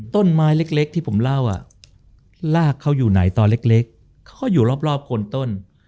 ต้นไม้เล็กที่ผมเล่ารากเขาอยู่ไหนตอนเล็กเขาก็อยู่รอบโคนต้น